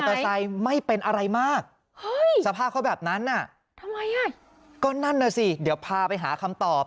ทำไมน่ะก็นั่นน่ะสิเดี๋ยวพาไปหาคำตอบ